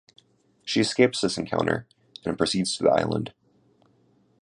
She escapes this encounter and proceeds to the island.